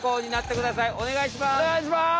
おねがいします。